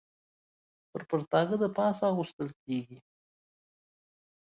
پر پرتاګه د پاسه اغوستل کېږي.